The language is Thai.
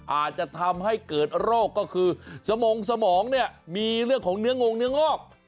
อาจจะทำให้เกิดโรคก็คือสมงสมองเนี่ยมีเรื่องของเนื้องงเนื้องอก